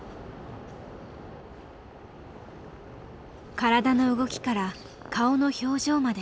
体の動きから顔の表情まで。